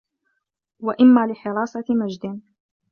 وَإِمَّا لِحِرَاسَةِ مَجْدٍ